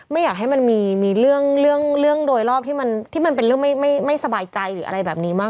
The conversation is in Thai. ไม่อยากให้มันมีเรื่องโดยรอบที่มันเป็นเรื่องไม่สบายใจ